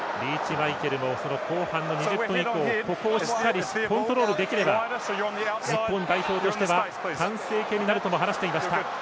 マイケル後半の２０分以降ここをしっかりコントロールできれば日本代表としては完成形になるとも話していました。